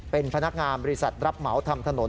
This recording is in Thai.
เป็นพนักงานบริษัทรับเหมาทำถนน